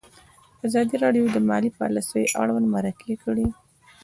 ازادي راډیو د مالي پالیسي اړوند مرکې کړي.